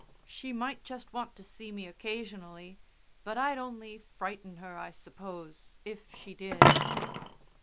"She might just want to see me occasionally. But I'd only frighten her, I suppose, if she did."